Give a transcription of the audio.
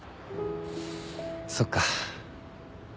そっか。